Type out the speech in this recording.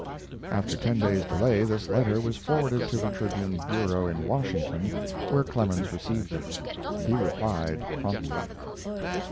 After ten days' delay this letter was forwarded to the Tribune bureau in Washington, where Clemens received it. He replied promptly.